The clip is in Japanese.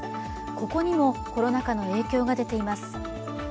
ここにもコロナ禍の影響が出ています。